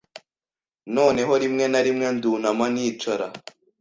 noneho rimwe na rimwe ndunama nicara